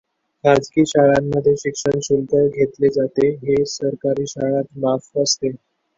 खाजगी शाळांमध्ये शिक्षण शुक्ल घेतले जाते, ते सरकारी शाळात माफ असते.